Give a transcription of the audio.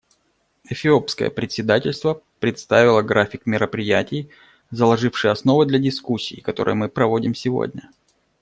Эфиопское председательство представило график мероприятий, заложивший основы для дискуссий, которые мы проводим сегодня.